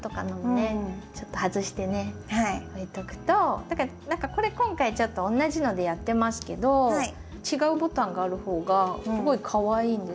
置いとくとこれ今回ちょっと同じのでやってますけど違うボタンがある方がすごいかわいいんです。